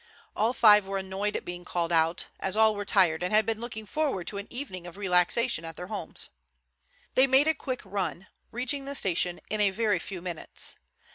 All five were annoyed at being called out, as all were tired and had been looking forward to an evening of relaxation at their homes. They made a quick run, reaching the station in a very few minutes.